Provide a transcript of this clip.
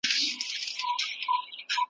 ساقي هغسي پیاله راکړه نن بیا